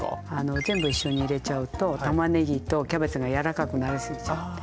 全部一緒に入れちゃうとたまねぎとキャベツがやわらかくなりすぎちゃって。